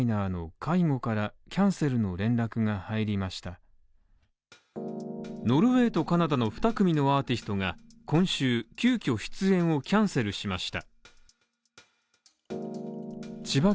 更にはノルウェーとカナダの２組のアーティストが今週、急きょ出演をキャンセルしました。